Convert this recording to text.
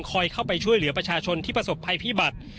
เข้าไปช่วยเหลือประชาชนที่ประสบภัยพิบัติ